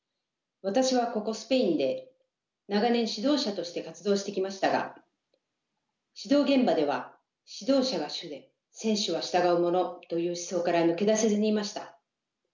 私はここスペインで長年指導者として活動してきましたが指導現場では「指導者が主で選手は従うもの」という思想から抜け出せずにいました。